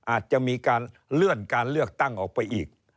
อาจจะมีการเลื่อนการเลือกตั้งออกไปอีก